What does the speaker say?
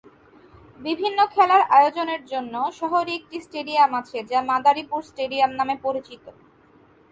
বিভিন্ন খেলার আয়োজনের জন্য শহরে একটি স্টেডিয়াম আছে যা মাদারীপুর স্টেডিয়াম নামে পরিচিত।